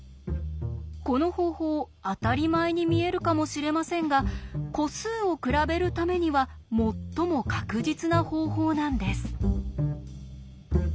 この方法当たり前に見えるかもしれませんが個数を比べるためには最も確実な方法なんです。